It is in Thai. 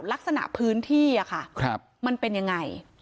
ลักษณะพื้นที่ค่ะมันเป็นยังไง